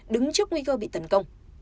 đứng trước nguy cơ bị tấn công